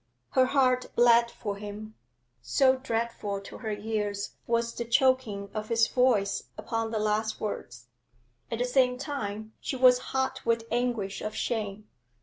Her heart bled for him, so dreadful to her ears was the choking of his voice upon the last words. At the same time she was hot with anguish of shame.